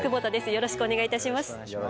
よろしくお願いします。